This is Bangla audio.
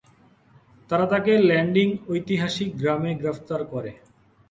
তারা তাকে ল্যান্ডিং ঐতিহাসিক গ্রামে গ্রেপ্তার করে।